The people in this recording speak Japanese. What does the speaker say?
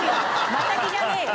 マタギじゃねえよ！